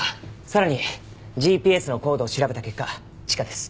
さらにＧＰＳの高度を調べた結果地下です。